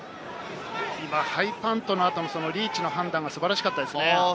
今ハイパントの後のリーチの判断が素晴らしかったですね。